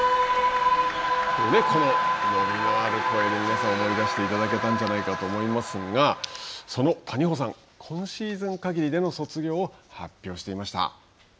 この伸びのあるの声で、皆さん思い出していただけたんじゃないかと思いますが、その谷保さん、今シーズンかぎりでの卒業を発表していました。